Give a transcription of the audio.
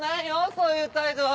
そういう態度は。